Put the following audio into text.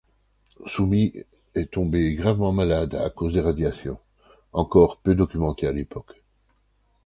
Sumi est tombée gravement malade à cause des radiations, encore peu documentées à l'époque.